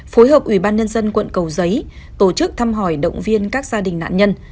phối hợp ủy ban nhân dân quận cầu giấy tổ chức thăm hỏi động viên các gia đình nạn nhân